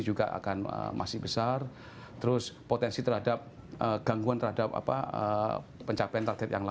juga akan masih besar terus potensi terhadap gangguan terhadap apa pencapaian target yang